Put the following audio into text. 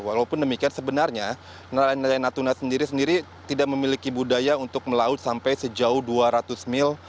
walaupun demikian sebenarnya nelayan nelayan natuna sendiri sendiri tidak memiliki budaya untuk melaut sampai sejauh dua ratus mil